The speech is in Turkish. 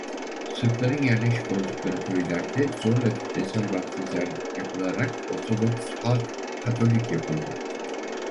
Sırpların yerleşik oldukları köylerde zorla kitlesel vaftizler yapılarak Ortodoks halk Katolik yapıldı.